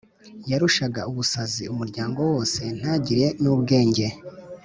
yarushaga ubusazi umuryango wose, ntagire n’ubwenge: